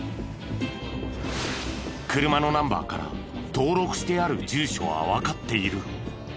車のナンバーから登録してある住所はわかっている。